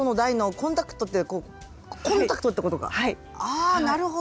ああなるほど。